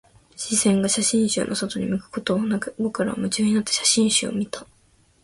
視線が写真集の外に向くことはなく、僕らは夢中になって写真集を見た